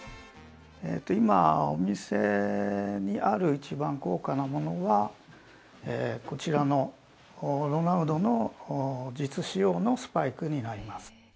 今、お店にある一番高価なものは、こちらのロナウドの実使用のスパイクになります。